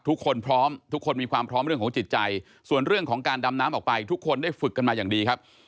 พร้อมทุกคนมีความพร้อมเรื่องของจิตใจส่วนเรื่องของการดำน้ำออกไปทุกคนได้ฝึกกันมาอย่างดีครับ